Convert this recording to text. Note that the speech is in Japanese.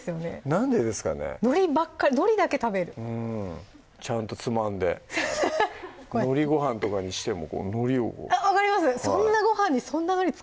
なんでですかねのりばっかのりだけ食べるちゃんとつまんでのりごはんとかにしてものりをこう分かります「そんなごはんにそんなのり使う？」